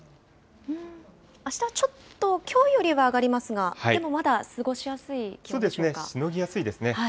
あしたはちょっと、きょうよりは上がりますが、でもまだ過ごそうですね、しのぎやすいですね。